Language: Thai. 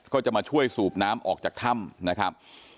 ก็จะมาช่วยสูบน้ำออกจากถ้ำนะครับ